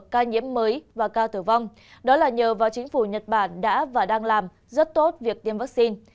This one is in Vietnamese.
ca nhiễm mới và ca tử vong đó là nhờ vào chính phủ nhật bản đã và đang làm rất tốt việc tiêm vaccine